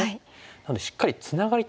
なのでしっかりツナがりたい。